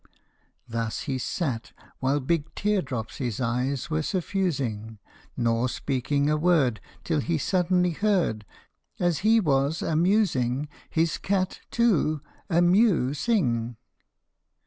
Thus he sat, while big tear drops his eyes were suffusing, Nor speaking a word, Till he suddenly heard, As he was a musing, his cat, too, a mew sing.